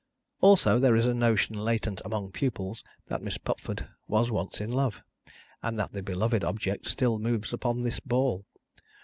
Also, there is a notion latent among pupils, that Miss Pupford was once in love, and that the beloved object still moves upon this ball.